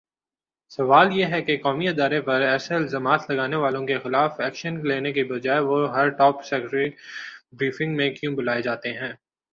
سوال یہ ہےکہ قومی ادارے پر ایسےالزامات لگانے والوں کے خلاف ایکشن لینے کی بجائے وہ ہر ٹاپ سیکرٹ بریفنگ میں کیوں بلائےجاتے ہیں